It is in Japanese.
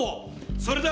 それだ！